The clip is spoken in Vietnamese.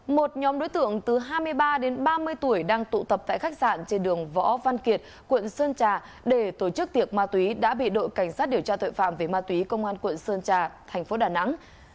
một nhóm đối tượng từ hai mươi ba đến ba mươi tuổi đang tụ tập tại khách sạn trên đường võ văn kiệt quận sơn trà để tổ chức tiệc ma túy đã bị đội cảnh sát điều tra tội phạm về ma túy công an quận sơn trà thành phố đà nẵng